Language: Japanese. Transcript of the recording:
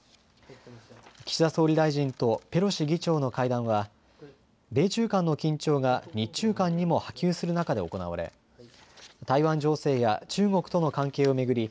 岸田総理大臣とペロシ議長の会談は米中間の緊張が日中間にも波及する中で行われ台湾情勢や中国との関係を巡り